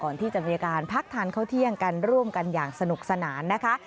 ก่อนที่จะมีการพักทานข้าวเที่ยงกันร่วมกันอย่างสนุกสนานนะคะ